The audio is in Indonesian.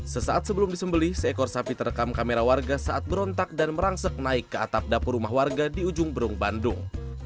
sesaat sebelum disembeli seekor sapi terekam kamera warga saat berontak dan merangsek naik ke atap dapur rumah warga di ujung berung bandung